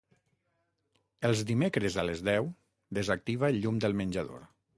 Els dimecres a les deu desactiva el llum del menjador.